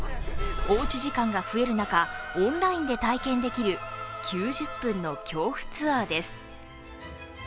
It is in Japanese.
おうち時間が増える中、オンラインで体験できる９０分の恐怖ツア−です。